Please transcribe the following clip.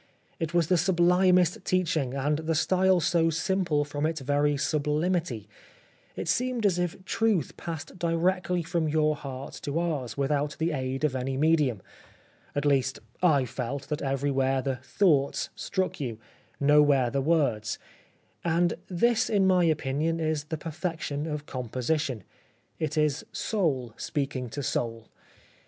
It was the sublimest teaching, and the style so simple from its very sublimity — it seemed as if truth passed directly from your heart to ours, without the aid of any medium — at least I felt that every where the thoughts struck you, nowhere the words, and this in my opinion is the perfection of composition. It is soul speaking to soul.